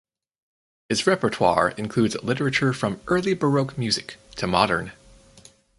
His repertoire includes literature from early baroque music to modern.